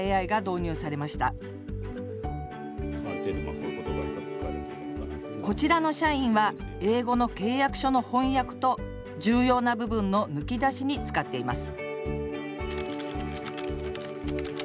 この会社ではこちらの社員は英語の契約書の翻訳と重要な部分の抜き出しに使っています